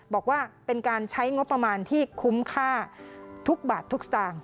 บอกว่าเป็นการใช้งบประมาณที่คุ้มค่าทุกบาททุกสตางค์